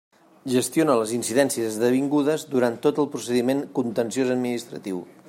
Gestiona les incidències esdevingudes durant tot el procediment contenciós administratiu.